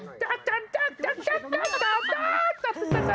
จักรจันทร์จักรจันทร์จักรจันทร์จักรจันทร์